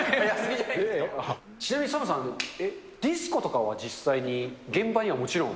ちなみに、ＳＡＭさん、ディスコとかは実際に現場にはもちろん。